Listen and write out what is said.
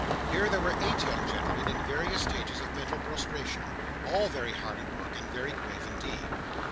Here, there were eight young gentlemen in various stages of mental prostration, all very hard at work, and very grave indeed.